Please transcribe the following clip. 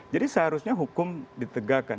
jadi seharusnya hukum ditegakkan